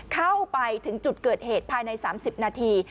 เข้าไปถึงจุดเกิดเหตุภายใน๓๐นาที